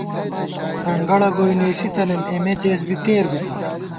ترنگڑگوئی نېسِی تنَئیم، اېمےدېسبی تېربِتہ